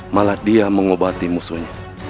malah dia mengobati musuhnya